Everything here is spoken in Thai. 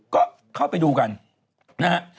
ก็เข้าไปดูกันนะฮะ